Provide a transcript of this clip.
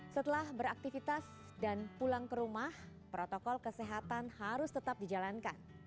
setelah beraktivitas dan pulang ke rumah protokol kesehatan harus tetap dijalankan